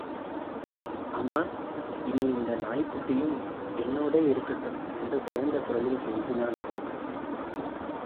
அம்மா, இனி இந்த நாய்க் குட்டியும் என்னோடே இருக்கட்டும்... என்று பயந்த குரலில் கெஞ்சினான் அவன்.